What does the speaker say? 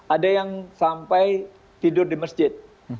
ada yang sampai tidur di masjid